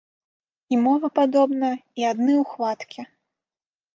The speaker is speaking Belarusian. І мова падобна, і адны ухваткі.